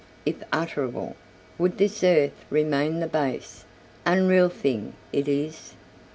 if utterable, would this earth Remain the base, unreal thing it is?